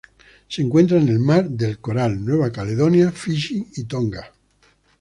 Se encuentra en el Mar del Coral, Nueva Caledonia, Fiyi y Tonga.